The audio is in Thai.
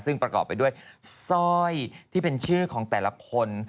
ซึ่งประกอบไปด้วยสร้อยที่เป็นชื่อของแต่ละคน